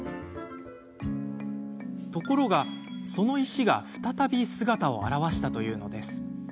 ところが、その石が再び姿を現したというのです。